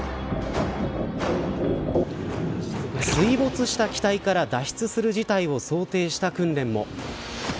水没した機体から脱出する事態を想定した訓練も。